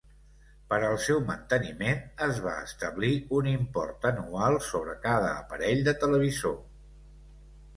Per al seu manteniment es va establir un import anual sobre cada aparell de televisor.